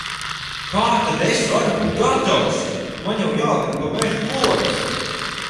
Kā tad es varu būt gatavs! Man jau jāgana pa mežu govis.